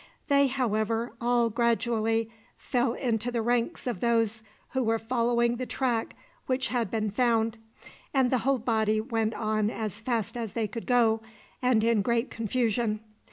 They, however, all gradually fell into the ranks of those who were following the track which had been found, and the whole body went on as fast as they could go, and in great confusion.